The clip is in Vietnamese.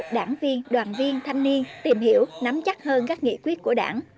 đảng viên đoàn viên thanh niên tìm hiểu nắm chắc hơn các nghị quyết của đảng